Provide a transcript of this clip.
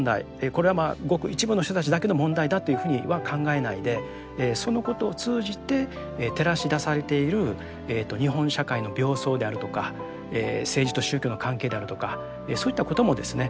これはごく一部の人たちだけの問題だというふうには考えないでそのことを通じて照らし出されている日本社会の病巣であるとか政治と宗教の関係であるとかそういったこともですね